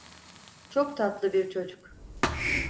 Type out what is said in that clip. Çok tatlı bir çocuk.